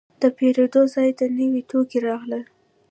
د پیرود ځای ته نوي توکي راغلل.